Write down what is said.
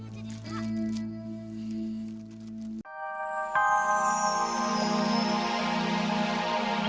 tidur saja kak